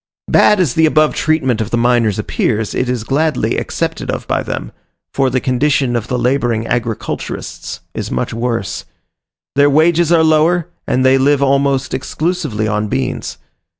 Bad as the above treatment of the miners appears, it is gladly accepted of by them; for the condition of the labouring agriculturists is much worse. Their wages are lower, and they live almost exclusively on beans.